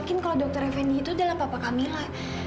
mungkin kalau dokter effendi itu adalah papa kak mila